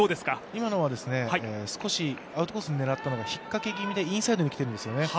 今のは少しアウトコースに狙ったのが引っかけ気味でインサイドに来てるんですよね。